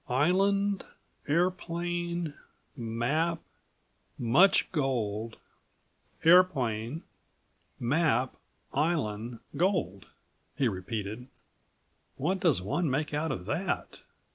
"'Island, airplane, map, much gold; airplane, map, island, gold,'" he repeated. "What does one make out of that?